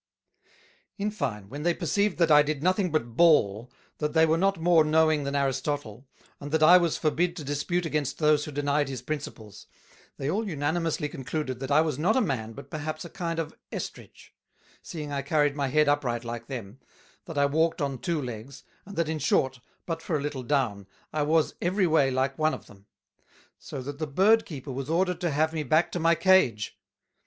In fine, when they perceived that I did nothing but bawl, that they were not more knowing than Aristotle, and that I was forbid to dispute against those who denied his Principles: They all unanimously concluded, That I was not a Man, but perhaps a kind of Estridge, seeing I carried my Head upright like them, that I walked on two Legs, and that, in short, but for a little Down, I was every way like one of them; so that the Bird keeper was ordered to have me back to my Cage.